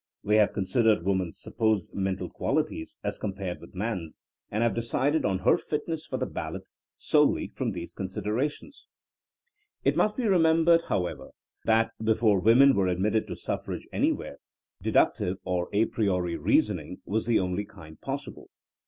They have considered woman's sup posed mental qualities as compared with man's, and have decided on her fitness for the ballot solely from these considerations. It must be 22 THINEINa AS A SOIENOE remembered, however, that before women were admitted to suffrage anywhere, deductive or a priori reasoning was the only kind possible.